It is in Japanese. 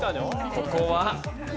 ここは。